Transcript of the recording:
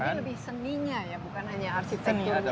jadi lebih seninya ya bukan hanya arsitekturnya